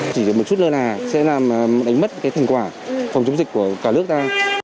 chỉ được một chút lơ là sẽ đánh mất thành quả phòng chống dịch của cả nước ta